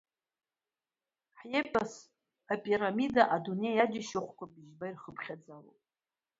Хеопс ипирамида адунеи аџьашьахәқәа бжьба ирхыԥхьаӡалоуп.